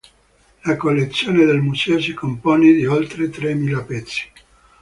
La collezione del museo si compone di oltre tremila pezzi.